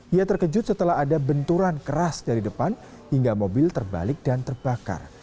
ia terkejut setelah ada benturan keras dari depan hingga mobil terbalik dan terbakar